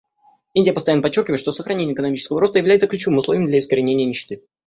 Индия постоянно подчеркивает, что сохранение экономического роста является ключевым условием для искоренения нищеты.